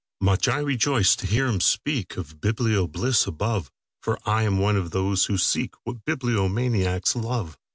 Much I rejoiced to hear him speakOf biblio bliss above, For I am one of those who seekWhat bibliomaniacs love.